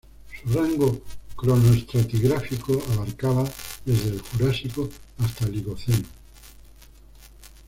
Su rango cronoestratigráfico abarcaba desde el Jurásico hasta el Oligoceno.